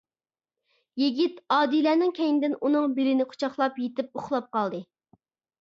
يىگىت ئادىلەنىڭ كەينىدىن ئۇنىڭ بېلىنى قۇچاقلاپ يېتىپ ئۇخلاپ قالدى.